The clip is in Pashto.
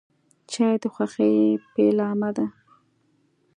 چای د خوښۍ پیلامه ده.